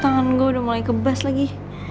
tangan gue udah mulai kebas lagi